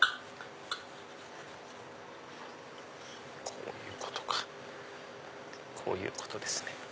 こういうことかこういうことですね。